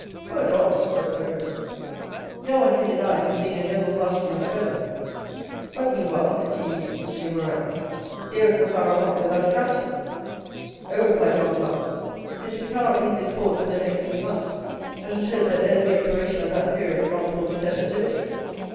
"Poor Dantès!" said Caderousse. "No one can deny his being a noble hearted young fellow." "But meanwhile," continued M. Morrel, "here is the Pharaon without a captain." "Oh," replied Danglars, "since we cannot leave this port for the next three months, let us hope that ere the expiration of that period Dantès will be set at liberty."